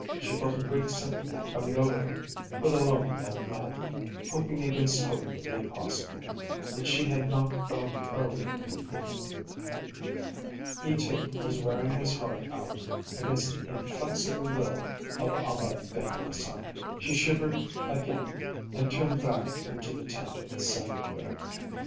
She felt a great sympathy coming over her for the lonely old man, hoping against hope for the impossible, that she had not felt earlier in the evening. He, too, was wearing his heart out against the inflexible will of Ahmed Ben Hassan. She shivered again and turned back into the tent with Saint Hubert.